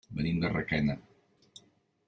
Venim de Requena.